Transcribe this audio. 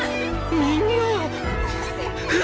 みんなッ！！